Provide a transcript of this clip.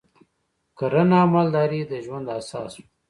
کرنه او مالداري د ژوند اساس و